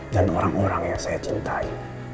dan orang orang yang saya cintai